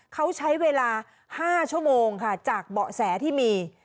เขาใช้เวลา๕ชั่วโมงค่ะจากเบาะแสที่มี